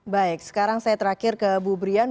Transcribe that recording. baik sekarang saya terakhir ke bu brian